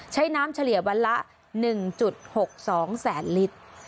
ใช้น้ำเฉลี่ยวันละ๑๖๒แสนลิตร